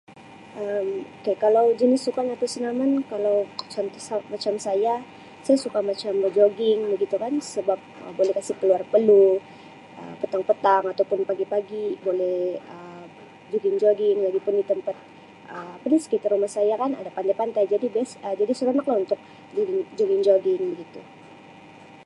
Um Ok. Kalau jenis sukan atau senaman kalau [unintelligible] macam saya, sa suka macam berjogging begitu kan sebab Um bole kasi keluar peluh Um petang-petang ataupun pagi-pagi boleh Um jogging-jogging. Lagipun di tempat Um apa ni? Sekitar rumah saya kan ada pantai-pantai jadi best- Um jadi seronok lah untuk [unintelligible] jogging-jogging gitu.